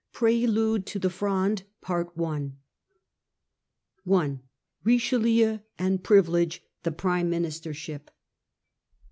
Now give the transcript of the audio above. PRELUDE TO THE FRONDE. i. Richelieu and Privilege. The Prime Ministership.